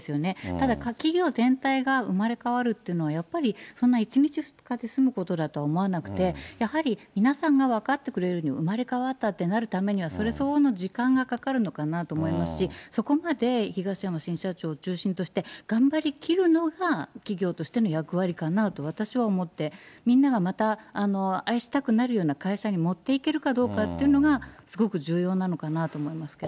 ただ企業全体が生まれ変わるというのは、やっぱり、そんな１日２日で済むことだとは思わなくて、やはり皆さんが分かってくれるように生まれ変わったってなるためには、それ相応の時間がかかるのかなと思いますし、そこまで東山新社長を中心として頑張りきるのが企業としての役割かなと私は思って、みんながまた愛したくなるような会社に持っていけるかどうかっていうのが、すごく重要なのかなと思いますけど。